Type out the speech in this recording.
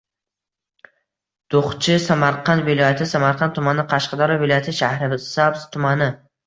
Duxchi – Samamarqand viloyati samarqand tumani; Qashqadaryo viloyati Shahrisabz tumani.